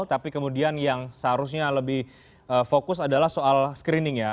tapi kemudian yang seharusnya lebih fokus adalah soal screening ya